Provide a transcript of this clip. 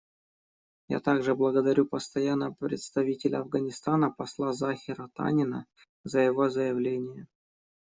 Я также благодарю Постоянного представителя Афганистана посла Захира Танина за его заявление.